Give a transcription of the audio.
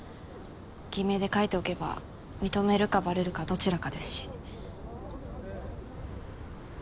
偽名で書いておけば認めるかバレるかどちらかですし。